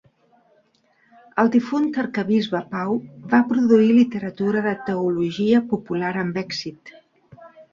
El difunt arquebisbe Pau va produir literatura de teologia popular amb èxit.